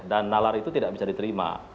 dan nalar itu tidak bisa diterima